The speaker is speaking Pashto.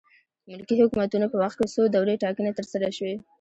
ملکي حکومتونو په وخت کې څو دورې ټاکنې ترسره شوې.